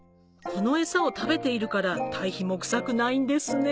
この餌を食べているから堆肥も臭くないんですね